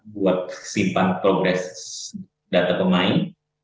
buat simpan progres data pemain